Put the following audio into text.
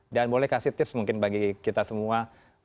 dan boleh kasih tips mungkin bagi kita semua